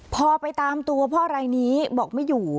พอไปตามตัวพ่อรายนี้บอกไม่อยู่